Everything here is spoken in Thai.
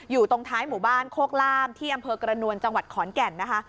อยู่ตรงท้ายหมู่บ้านโคกล่ามที่อำเภอกระนวลจังหวัดขอนแก่นนะคะ